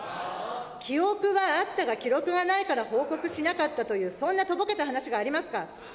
記憶はあったが記録がないから報告しなかったという、そんなとぼけた話がありますか。